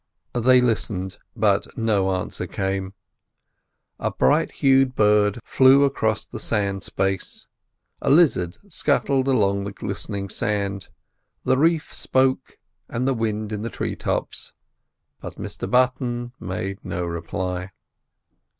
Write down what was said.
They listened, but no answer came. A bright hued bird flew across the sand space, a lizard scuttled across the glistening sand, the reef spoke, and the wind in the tree tops; but Mr Button made no reply.